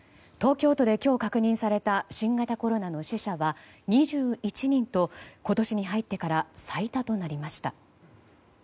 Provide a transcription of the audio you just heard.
東京都で今日確認された新型コロナの死者は２１人と今年に入ってから最多となりました。